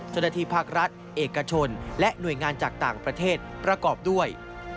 จรภิพักรัฐเอกชนและหน่วยงานจากต่างประเทศประกอบด้วย